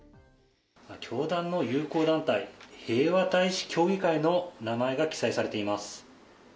教団の友好団体、平和大使協議会の名前が記載されています。